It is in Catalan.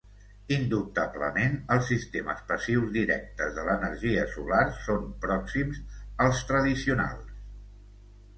Indubtablement, els sistemes passius directes de l'energia solar són pròxims als tradicionals.